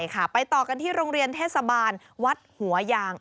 ค่ะไปต่อกันที่โรงเรียนเทศบาลวัดหัวยาง